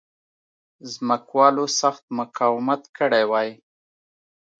ځمکوالو سخت مقاومت کړی وای.